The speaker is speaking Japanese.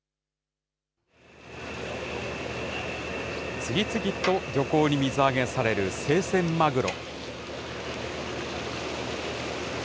次々と漁港に水揚げされる、生鮮マグロ。